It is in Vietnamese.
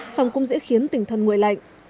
xong cũng dễ khiến tình thân nguội lạnh